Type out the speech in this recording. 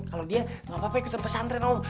kalau dia gak apa apa ikutan pesantren om